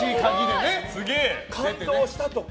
感動したとか。